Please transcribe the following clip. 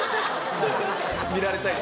見られたい。